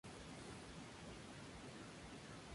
El rechazo en el amor se considera amor no correspondido.